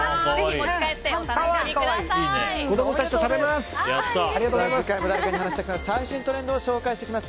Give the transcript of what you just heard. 子供たちと食べます！